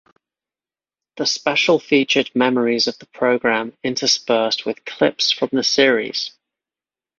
The special featured memories of the program interspersed with clips from the series.